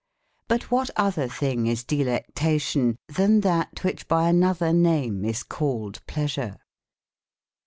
But what other thinge is delectation, than that whiche by an other name is called pleasure?